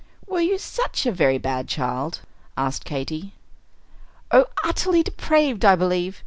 "Were you such a very bad child?" asked Katy. "Oh, utterly depraved, I believe.